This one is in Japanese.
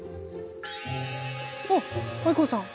あっ藍子さん